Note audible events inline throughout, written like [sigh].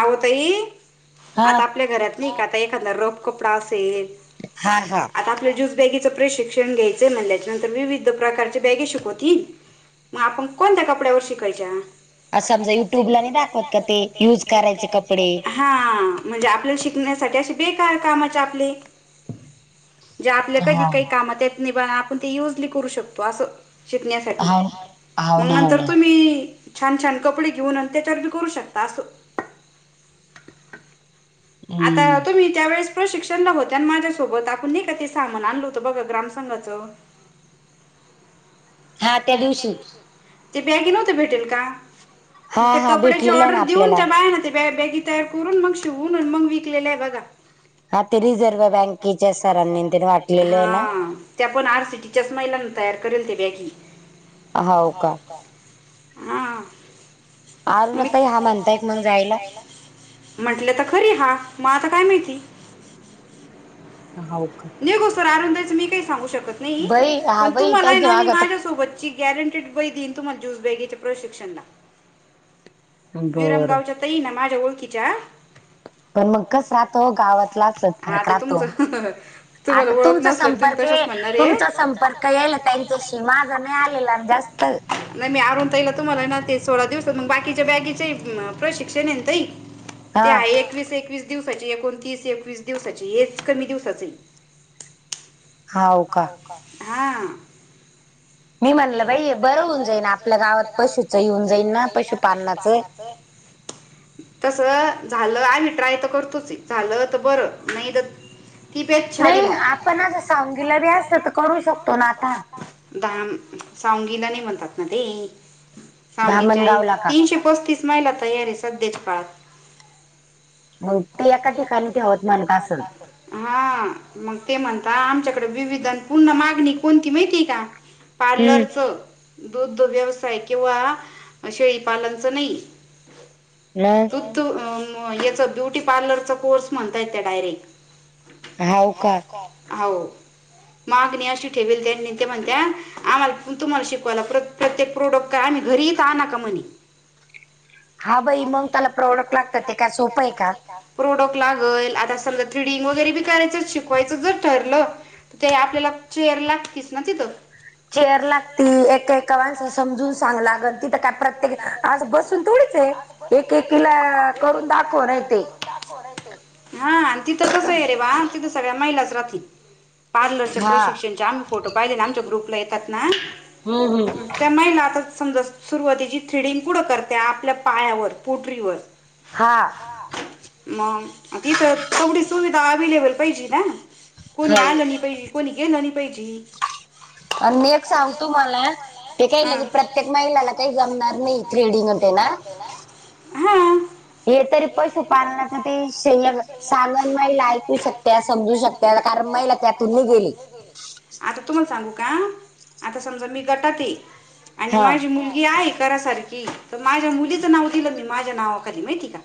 आहो तई, आता आपल्या घरात नाही का, आता एखादा रप कपडा असेल हा हा. आता आपल्या ज्यूस बॅगीच प्रशिक्षण घ्यायचंय म्हणल्याच्या, नंतर विविध प्रकारचे बॅगी शिकवतील. मग आपण कोणत्या कपड्यावर शिकायच्या? असं समजा युट्यूबला नाही दाखवत का ते, युज करायचे कपडे. हा, म्हणजे आपल्याला शिकण्यासाठी असे बेकार कामाचे आपली. जे आपल्या कधी कई कामात येत नई, पण आपण ते युजली करू शकतो असं, शिकण्यासाठी, मग नंतर तुमी, छान छान कपडे घेऊन, त्याच्यावरबी करू शकता असं. हा, तुम्ही त्यावेळेस प्रशिक्षणला होत्या नां माझ्यासोबत, आपण नई का ते सामान आणलं होतं बघा, ग्राम संघाचं हा त्या दिवशी, त्या बॅगी नव्हतं भेटेल का? मग ते कपड्याची ऑर्डर देऊन, त्या बायांना त्या त्या बॅगी तयार करून, मग शिवून अन मग विकलेल्या ए बगा. हा ते रिझर्व बँकेच्या सरांनी तेन वाटलेलं ए ना? त्या पण आर सीटीच्या महिलांनीच तयार करेल त्या बॅगी. हाव का, हा. आरूणा ताई हा म्हणतायत मग जायला? म्हंटलं तर खरी हा, मग आता काय माहिती? हाव का? निघू स्तवर आरूणा ताईचं मी काही सांगू शकत नाही पण तुम्हाला ए ना मी माझ्यासोबत अशी गॅरंटीड बाई देईन तुम्हाला ज्युस बॅगीच्या प्रशिक्षणला. विरामगावच्या तई ना माझ्या ओळखीच्या [inaudible] पण मग कसं राहतो गावातला आसलं फरक राहतो. आता तुमचा संपर्क ते तुमचा संपर्क येला त्यांच्याशी माझा नई आलेला जास्त. नई मी अरुणाताईला तुम्हाला ना ते, सोळा दिवस मग बाकीच्या बॅगेचे प्रशिक्षण ए ना ताई. त्ये हाय एकवीस एकवीस दिवसाची, एकोणतीस एकवीस दिवसाची, हेच कमी दिवसाचं ए. हाव का, हा. मी म्हणलं बाई बरं होऊन जाईन, आपल्या गावात पशुचंही होऊन जाईल ना पशुपालनाचं. [inaudible] तसं झालं, आमी ट्राय तर करतोच ए, झालं तर बरं, नई तर नई, आपण असं सोंगीलाबी असतो तर करू शकतो ना आता? -दाम सोंगीला नई म्हणतात ना ते, सोंगीच्या तीनशे पस्तीस महिला तयार ए सध्याच्या काळात. मग ते एका ठिकाणी ठेवत म्हणत असल. हा, मग ते म्हणता आमच्याकडे विविध अन पुन्हा मागणी कोणती ए माहितीय का? पार्लरचं. दुध व्यवसाय किंवा शेळीपालनच नई, दूध याचं, ब्युटी पार्लरचा कोर्स म्हणतायेत त्या डायरेक्ट. हाव काय, हाऊ, मागणी अशी ठेवील त्यांनी, ते म्हणत्या आम्हाला तुम्हाला शिकवायला प्रत्ये, प्रत्येक प्रोडक्ट का आम्ही घरी इथं आणा का म्हणी. हा बाई, मग त्याला प्रॉडक्ट लागतात, ते का सोपं ए का? प्रोडक्ट लागल, आता समजा थ्रीडिंग वगैरे बी करायचं शिकवायचं जर ठरलं ते आपल्याला चेअर लागतीच ना तिथं. चेअर लागती, एकेका माणसा समजून सांगा लागल. तिथं काय प्रत्येक, असं बसून थोडीच ए. एकेकीला करून दाखवूनं ए ते. हा आणि तिथं कसं आहे रे बा, तिथं सगळ्या महिलाच राहतील. पार्लरच्या प्रशिक्षणचे आम्ही फोटो पाहिले ना, आमच्या ग्रुपला येतात ना हो हो. त्या महिला आता समजा सुरुवातीची थ्रेडिंग कुड करत्या? आपल्या पायावर, पोटरीवर. हा. मग तिथं तेवढी सुविधा अवेलेबल पाहिजे ना? कुणी आलं नाही पाहिजे. कोणी गेलं नाही पाहिजे. आणि मी - सांग तू मला. ते काही लगे प्रत्येक महिलाला काही जमणार नाही. थ्रेडिंग न ते ना- हां. हे तरी पशु पालनासाठी श, सामान महिला ऐकू शकत्या, समजू शकत्या. त्याला कारण महिला त्यातून निघेल ए. आता तुम्हाला सांगू का? आता समजा मी गटात आहे. आणि माझी मुलगी आहे कराय सारखी- त माझ्या मुलीचं नाव दिलं मी माझ्या नावाखाली. माहिती ए का?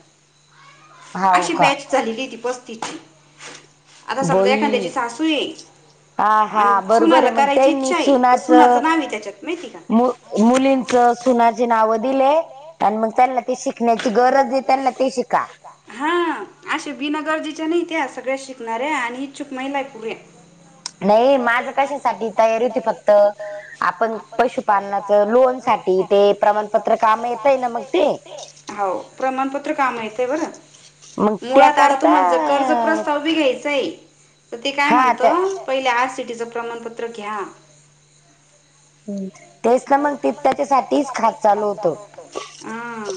अशी बॅच- झालेली ए ती पस्तीसची. आता समजा एखाद्याची सासू ये. आणि सूनाला करायची- सुनाच मू - मुलींच, सुनाची नाव दिले. आणि मग त्यांनला त शिक- -ण्याची गरज आहे त्यांना ते शिका. अशे बिना गरजेच्या नाही ए त्या. सगळ्या शिकणाऱ्या आणि इच्छुक महिला ए पुऱ्या. नाही माझं कशासाठी तयारी होती फक्त, आपण पशुपालनाचं, लोन साठी- ते प्रमाणपत्र काम येतय ना मग ते? हो. प्रमाणपत्र कामा येतय बरं. मुळात आता तुम्हाला जर कर्ज प्रस्ताव बी घ्यायचाय- तर ते काय म्हणतं? पहिले आर सी टी चं प्रमाणपत्र घ्या. हम्म. तेच ना मग. ते त्याच्यासाठीच खात चालू होतं. आं.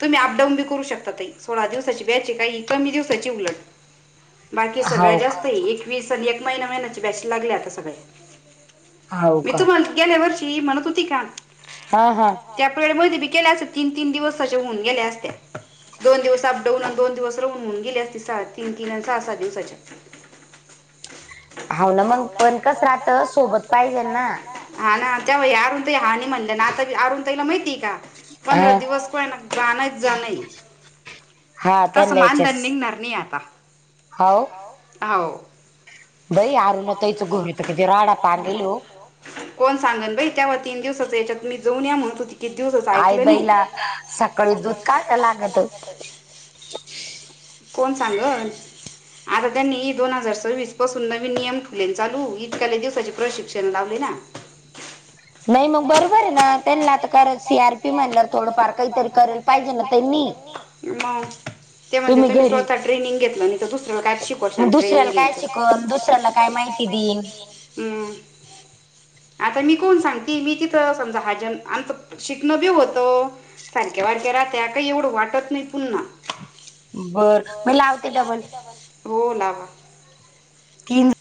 तुम्ही अपडाऊन बी करू शकता ताई. सोळा दिवसाची बॅच ए. काही कमी दिवसाचीय उलट. बाकी सगळ्या जास्तए. एकवीस आणि एक महिना महिन्याचे बॅच लागल्या आता सगळ्या. मी तुम्हाला गेल्या वर्षी म्हणत होती का? हा हा. त्या पिरेड मधी बी केल्या असत्या. तीन तीन दिवसांच्या होऊन गेल्या असत्या. दोन दिवस अपडाऊन आणि दोन दिवस राहून होऊन गेल्या असत्या सहा, तीन तीन आणि सहा सहा दिवसाच्या. हाव ना मग. पण कस राहतं. सोबत पाहिजेल ना? हा ना. तेव्हा अरुण ताई हा नाही म्हणल्या ना. आणि आता अरुण ताईला माहितीय का? पंधरा दिवस का होईना जाणच जाण ए. तस मानधन निघणार नाही आता. हाव? हाव. बाई अरुणा ताईच्या घरी तर किती राडा पांगेल ए हो. कोण सांगन बाई. तवा तीन दिवसाच्य याच्यात मी जाऊन या म्हणत होती. किती दिवसाच - -कल नाही. कोण सांगल. आता त्यांनी दोन हजार सव्वीस पासून नवीन नियम ठिवले ना चालू. इतक्काले दिवसाचे प्रशिक्षण लावले ना? नाही म बरोबर ए ना. त्यांनला आता- कारण सी आर पी म्हणल्यावर थोडंफार काहीतरी करेल पाहिजे ना त्यांनी. मग. ते म्हणजे तुम्ही स्वतः ट्रेनिंग घेतलं नाही, तर दुसऱ्याला काही शिकवशील ट्रेनिंग घ्यायचं. कशाला काय माहिती दिन, हम्म,, आता मी कोण सांगते, मी तिथं समजा हाजन आ शिकऽ न बी होतं, सारख्या वारक्या राहत्या का एवढं वाटत नाही पुन्हा. बर, मी लावते डबल. हो ना तीनऽ